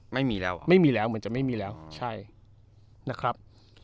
ไม่มีแล้วอ่ะไม่มีแล้วเหมือนจะไม่มีแล้วใช่นะครับ